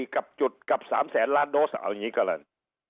กับจุดกับ๓แสนล้านโดสเอาอย่างนี้ก็แล้ว